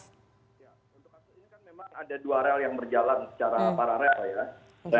untuk kasus ini kan memang ada dua rel yang berjalan secara paralel ya